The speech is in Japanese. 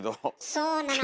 そうなの。